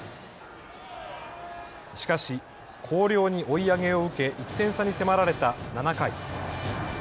しかし広陵に追い上げを受け１点差に迫られた７回。